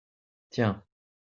tiens.